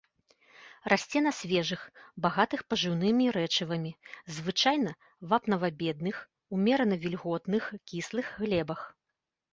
Расце на свежых, багатых пажыўнымі рэчывамі, звычайна вапнава-бедных, умерана вільготных кіслых глебах.